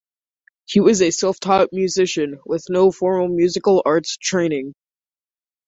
He was a self-taught musician, with no formal musical arts training.